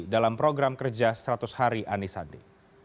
dalam program kerja seratus hari anies sandi